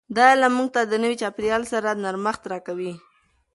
دا علم موږ ته د نوي چاپیریال سره نرمښت راکوي.